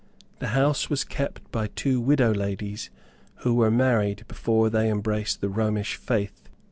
The house was kept by two widow ladies who were married before they embraced the Romish faith.